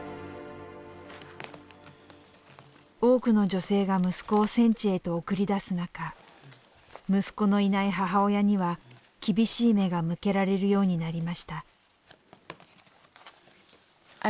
多くの女性が息子を戦地へと送り出す中息子のいない母親には厳しい目が向けられるようになりました。